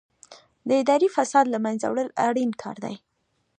د اداري فساد له منځه وړل اړین کار دی.